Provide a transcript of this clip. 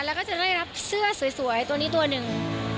แล้วก็จะได้รับเสื้อสวยตัวนี้ตัวหนึ่ง